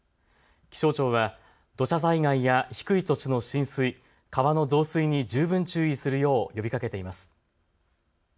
気象庁は土砂災害や低い土地の浸水、川の増水に十分注意するよう呼びかけています。